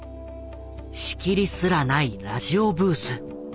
仕切りすらないラジオブース。